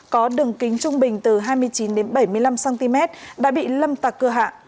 đó đường kính trung bình từ hai mươi chín bảy mươi năm cm đã bị lâm tạc cưa hạ